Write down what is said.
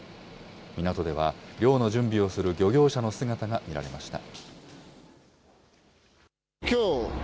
港では漁の準備をする漁業者の姿が見られました。